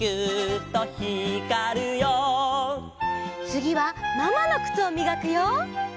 つぎはママのくつをみがくよ。